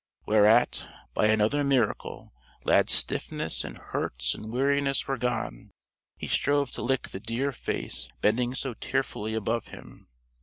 _" Whereat, by another miracle, Lad's stiffness and hurts and weariness were gone. He strove to lick the dear face bending so tearfully above him.